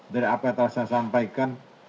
dari apa yang telah saya sampaikan